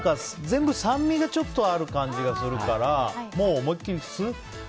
全部、酸味がちょっとある感じがあるからもう思いきり酢。